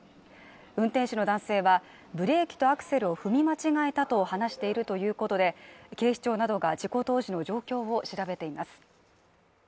運転手の男性はブレーキとアクセルを踏み間違えたと話しているということで警視庁などが事故当時の状況を調べています。